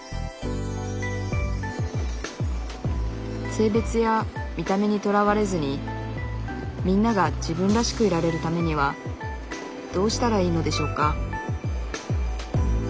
性別や見た目にとらわれずにみんなが自分らしくいられるためにはどうしたらいいのでしょうか？